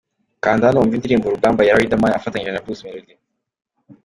Kanda Hano wumve indirimbo 'Urugamba' ya Riderman afatanyije na Bruce Melody.